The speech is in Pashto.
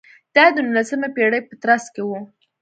دا د نولسمې پېړۍ په ترڅ کې و.